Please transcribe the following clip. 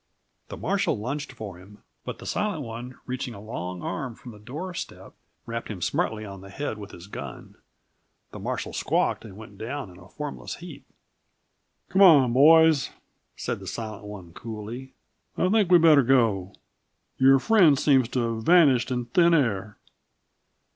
The marshal lunged for him; but the Silent One, reaching a long arm from the door step, rapped him smartly on the head with his gun. The marshal squawked and went down in a formless heap. "Come on, boys," said the Silent One coolly. "I think we'd better go. Your friend seems to have vanished in thin air."